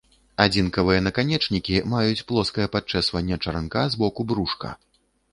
Адзінкавыя наканечнікі маюць плоскае падчэсванне чаранка з боку брушка.